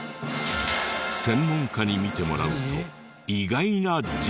専門家に見てもらうと意外な事実が！